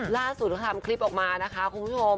ล่าสุดทำคลีปออกมาคุณผู้ชม